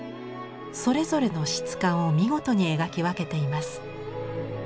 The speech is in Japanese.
それぞれの質感を見事に描き分けています。